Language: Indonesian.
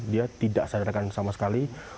dia tidak sadarkan sama sekali